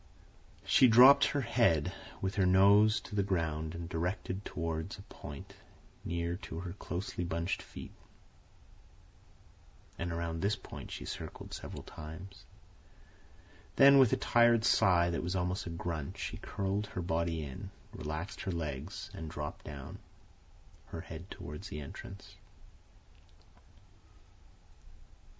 She dropped her head, with her nose to the ground and directed toward a point near to her closely bunched feet, and around this point she circled several times; then, with a tired sigh that was almost a grunt, she curled her body in, relaxed her legs, and dropped down, her head toward the entrance.